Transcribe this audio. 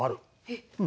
えっ。